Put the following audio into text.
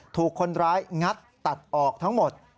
ถูกคนร้ายงัดตัดออกทั้งหมด